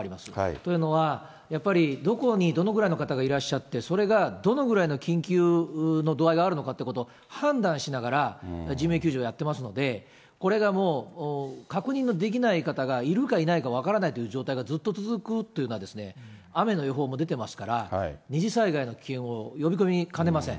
というのは、やっぱりどこにどのくらいの方がいらっしゃって、それがどのぐらいの緊急の度合いがあるのかということを、判断しながら人命救助をやっていますので、これがもう、確認のできない方がいるかいないか分からないという状態がずっと続くというのは、雨の予報も出てますから、二次災害の危険を呼び込みかねません。